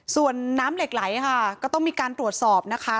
ส่วนน้ำเหล็กไหลค่ะก็ต้องมีการตรวจสอบนะคะ